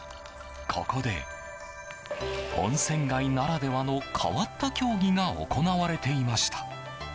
ここで、温泉街ならではの変わった競技が行われていました。